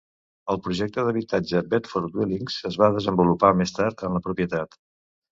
El projecte d'habitatge Bedford Dwellings es va desenvolupar més tard en la propietat.